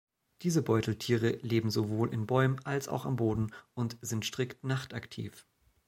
Diese Beuteltiere leben sowohl in Bäumen als auch am Boden und sind strikt nachtaktiv.